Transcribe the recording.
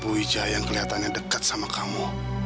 saya takut dengan prabu wijaya yang kelihatannya dekat sama kamu